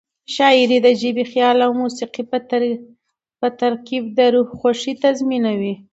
شاعري د ژبې، خیال او موسيقۍ په ترکیب د روح خوښي تضمینوي.